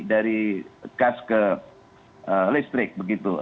dari gas ke listrik begitu